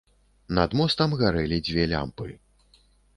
Над мостам гарэлі дзве лямпы.